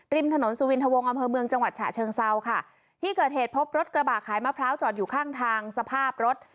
ริมถนนสุวินทวงอำเภอเมืองจังหวัดฉะเชิงเซาค่ะที่เกิดเหตุพบรถกระบะขายมะพร้าวจอดอยู่ข้างทางสภาพรถ